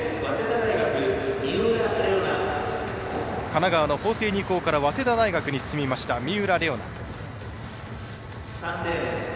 神奈川の法政二高から早稲田大学に進みました三浦励央奈。